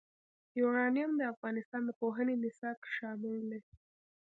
یورانیم د افغانستان د پوهنې نصاب کې شامل دي.